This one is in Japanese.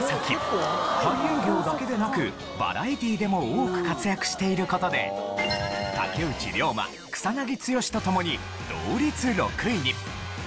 俳優業だけでなくバラエティーでも多く活躍している事で竹内涼真草剛と共に同率６位に。